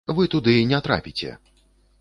Вы туды не трапіце!